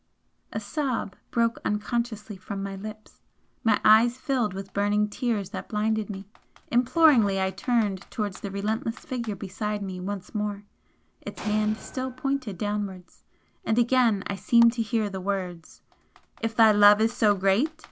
A sob broke unconsciously from my lips my eyes filled with burning tears that blinded me. Imploringly I turned towards the relentless Figure beside me once more its hand still pointed downwards and again I seemed to hear the words "If thy love is so great!